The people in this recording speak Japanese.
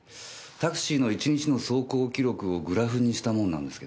タクシーの１日の走行記録をグラフにしたものなんですけどね。